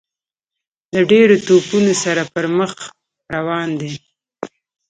له ډیرو توپونو سره پر مخ روان دی.